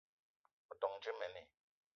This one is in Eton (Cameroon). O ton dje mene?